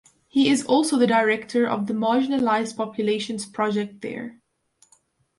He is also the director of the Marginalized Populations Project there.